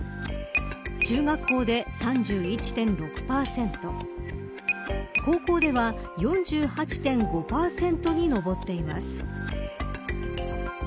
中学校で３１．６％高校では４８．５％に上っています。